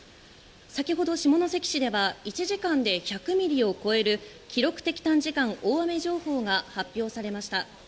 先ほど下関市では１時間で１００ミリを超える記録的短時間大雨情報が発表されました。